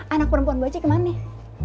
anak perempuan bu haji kemana nih